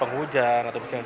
selalu di musim musim penghujan